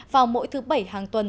vào mỗi thứ bảy hàng tuần